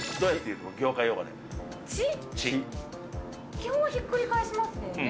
基本はひっくり返しますよね。